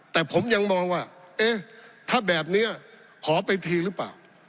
แต่ผมยังมองว่าเอ๊ะถ้าแบบนี้ขอไปพีหรือเปล่า